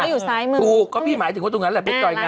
ใช่อยู่ซ้ายมือก็พี่หมายถึงว่าตรงนั้นแหละเพชรดอยงาม